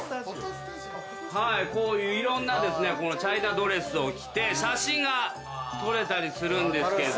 はいこういういろんなチャイナドレスを着て写真が撮れたりするんですけど。